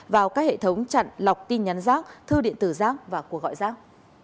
vào các hệ thống chặn lọc tin nhắn giác thư điện tử giác và cuộc gọi giác